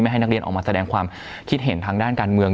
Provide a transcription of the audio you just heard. ให้นักเรียนออกมาแสดงความคิดเห็นทางด้านการเมือง